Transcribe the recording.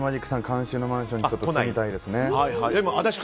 監修のマンションに住みたいですね。